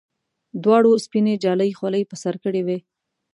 دواړو سپینې جالۍ خولۍ پر سر کړې وې.